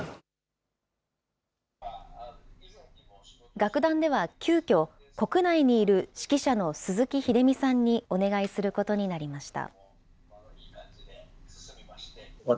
楽団では急きょ、国内にいる指揮者の鈴木秀美さんにお願いすることになりました。